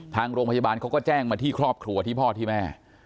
ทางโรงพยาบาลเขาก็แจ้งมาที่ครอบครัวที่พ่อที่แม่